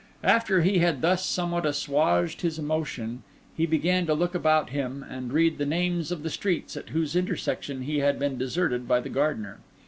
After he had thus somewhat assuaged his emotion, he began to look about him and read the names of the streets at whose intersection he had been deserted by the gardener.